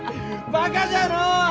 バカじゃのう！